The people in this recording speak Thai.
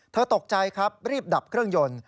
ตกใจครับรีบดับเครื่องยนต์